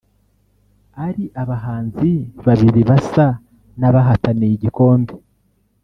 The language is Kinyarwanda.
ari abahanzi babiri basa n’abahataniye igikombe